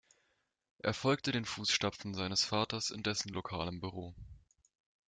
Er folgte den Fußstapfen seines Vaters in dessen lokalem Büro.